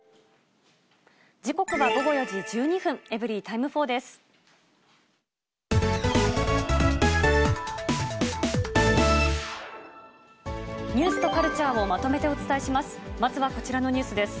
時刻は午後４時１２分、エブリィタイム４です。